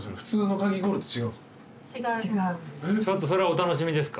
ちょっとそれお楽しみですか？